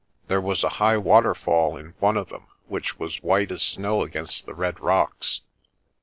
There was a high waterfall in one of them which was white as snow against the red rocks.